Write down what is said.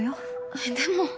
えっでも。